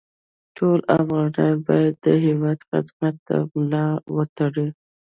ټول افغانان باید د هېواد خدمت ته ملا وتړي